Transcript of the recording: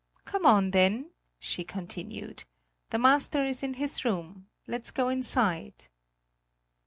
"Come on, then," she continued. "The master is in his room; let's go inside."